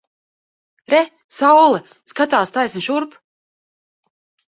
Re! Saule! Skatās taisni šurp!